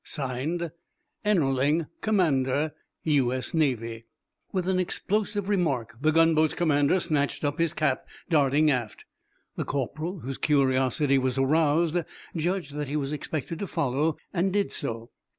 (signed) Ennerling, Commander, U.S.N._ With an explosive remark the gunboat's commander snatched up his cap, darting aft. The corporal, whose curiosity was aroused, judged that he was expected to follow, and did so.